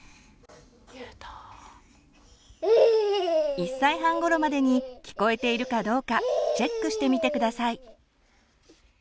１歳半ごろまでに聞こえているかどうかチェックしてみて下さい。